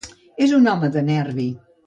És un home de nervi.